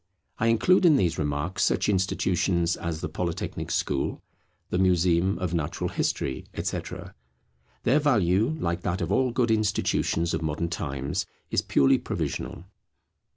I include in these remarks such institutions as the Polytechnic School, the Museum of Natural History, etc. Their value, like that of all good institutions of modern times, is purely provisional.